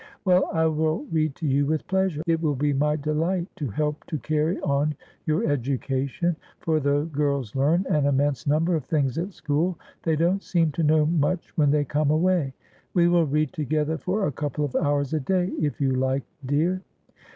' Well, I will read to you with pleasure. It will be my delight to help to carry on your education ; for though girls learn an immense number of things at school they don't seem to know ' God wote that Worldly Joy is sane Ago.' 93 much when they come away. We will read together for a couple of hours a day if you like, dear.'